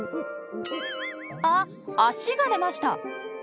あっ足が出ました。